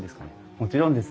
もちろんです。